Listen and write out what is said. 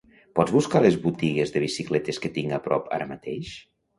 Pots buscar les botigues de bicicletes que tinc a prop ara mateix?